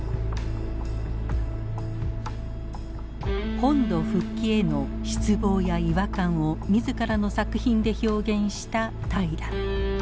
本土復帰への失望や違和感を自らの作品で表現した平良。